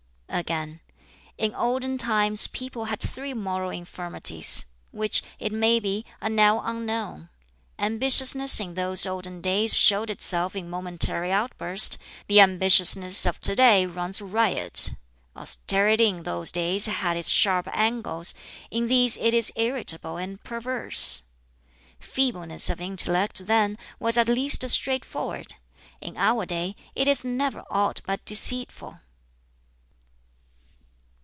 Again, "In olden times people had three moral infirmities; which, it may be, are now unknown. Ambitiousness in those olden days showed itself in momentary outburst; the ambitiousness of to day runs riot. Austerity in those days had its sharp angles; in these it is irritable and perverse. Feebleness of intellect then was at least straightforward; in our day it is never aught but deceitful."